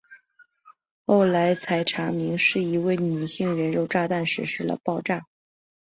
后来才查明是一位女性人肉炸弹实施了爆炸。